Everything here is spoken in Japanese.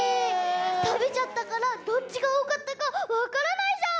たべちゃったからどっちがおおかったかわからないじゃん。